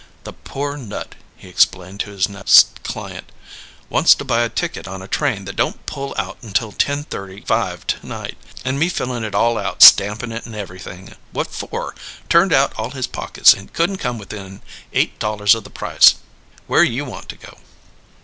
"The poor nut!" he explained to his next client. "Wants to buy a ticket on a train that don't pull out until ten thirty five to night; and me fillin' it all out, stampin' it and everything, what for? Turned out all his pockets and couldn't come within eight dollars o' the price! Where you want to go?"